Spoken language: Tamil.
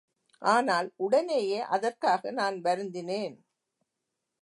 ஆனால் உடனேயே அதற்காக நான் வருந்தினேன்.